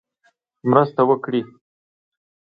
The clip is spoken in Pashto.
مرسته وکړي.